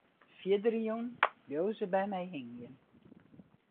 De fierdere jûn bleau se by my hingjen.